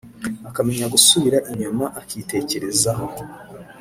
akamenya gusubira inyuma akitekerezaho